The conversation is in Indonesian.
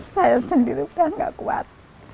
saya sendiri sudah tidak kuat